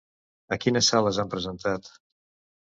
A quines sales han presentat?